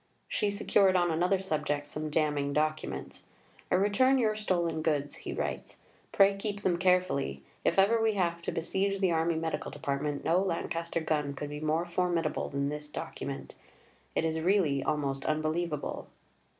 She secured on another subject some damning documents. "I return your stolen goods," he writes. "Pray keep them carefully. If ever we have to besiege the Army Medical Department, no Lancaster gun could be more formidable than this document; it is really almost unbelievable."